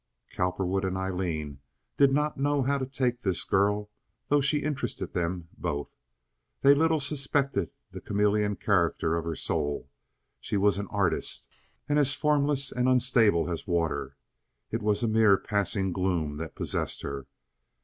Cowperwood and Aileen did not know how to take this girl, though she interested them both. They little suspected the chameleon character of her soul. She was an artist, and as formless and unstable as water. It was a mere passing gloom that possessed her.